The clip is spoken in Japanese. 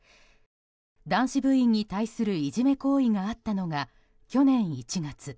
男子部員に対する、いじめ行為があったのが去年１月。